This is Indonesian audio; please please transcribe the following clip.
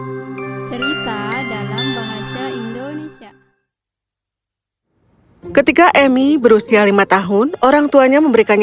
hai cerita dalam bahasa indonesia ketika emi berusia lima tahun orangtuanya memberikannya